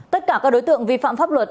tất cả các đối tượng vi phạm pháp luật